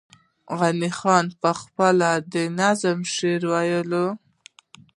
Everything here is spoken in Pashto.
غني خان پخپله د نظم شاعر وو